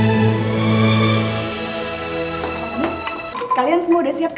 tidak ada yang mau dihubungi